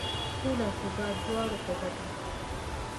سوله او ثبات د دواړو په ګټه دی.